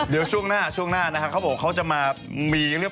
เดียวช่วงหน้าช่วงหน้าเขาจะมามี